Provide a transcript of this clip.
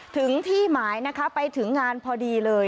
ถึงที่หมายนะคะไปถึงงานพอดีเลย